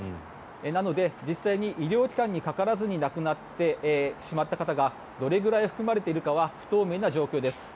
なので、実際に医療機関にかからずに亡くなってしまった方がどれぐらい含まれているかは不透明な状況です。